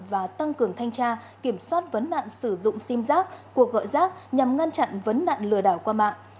và tăng cường thanh tra kiểm soát vấn nạn sử dụng sim giác cuộc gọi rác nhằm ngăn chặn vấn nạn lừa đảo qua mạng